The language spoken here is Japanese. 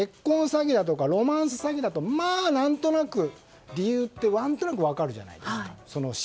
詐欺だとかロマンス詐欺だと何となく理由って、分かるじゃないですか。